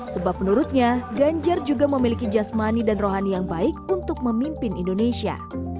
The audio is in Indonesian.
sebab menurutnya ganjar juga memiliki jasmani dan rohani yang baik untuk memimpin indonesia